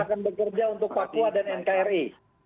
kita akan bekerja untuk pakua dan nkri